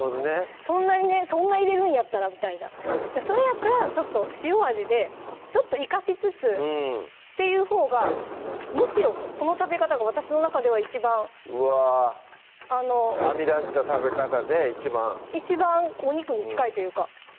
そんなにねそんな入れるんやったらみたいなそれやったらちょっと塩味でちょっと生かしつつっていうほうがむしろこの食べ方が私の中では一番うわ編み出した食べ方で一番一番お肉に近いというか